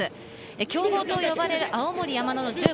強豪と呼ばれる青森山田の１０番。